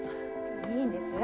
いいんですよ。